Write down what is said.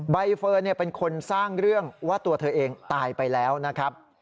ใบเฟิร์นเป็นคนสร้างเรื่องว่าตัวเธอเองตายไปแล้วนะครับ